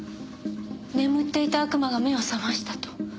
眠っていた悪魔が目を覚ましたと。